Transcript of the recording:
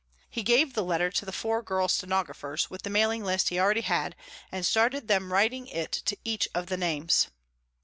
He gave the letter to the four girl stenographers with the mailing list he already had and started them writing it to each of the names.